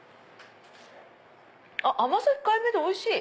甘さ控えめでおいしい！